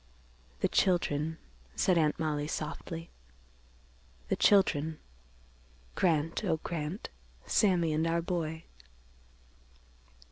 "The children," said Aunt Mollie softly. "The children. Grant, Oh, Grant! Sammy and our boy."